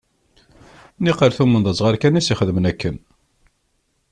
Niqal tumen d azɣal kan i as-ixedmen akken.